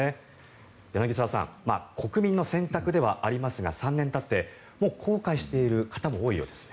柳澤さん国民の選択ではありますが３年たってもう後悔している方も多いようですね。